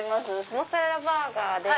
モッツァレラバーガーです。